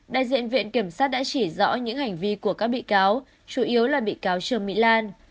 đại diện viện kiểm sát đã chỉ rõ những hành vi của các bị cáo chủ yếu là bị cáo trương mỹ lan